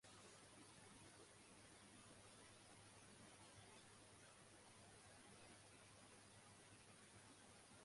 শূন্য হওয়া আসনে প্রতিদ্বন্দ্বিতা করার সিদ্ধান্ত গ্রহণ করেন সাদ এরশাদ।